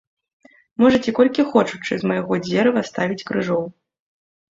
Можаце колькі хочучы з майго дзерава ставіць крыжоў.